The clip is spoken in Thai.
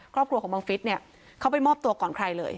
ครอบครัวของบังฟิศเนี่ยเขาไปมอบตัวก่อนใครเลย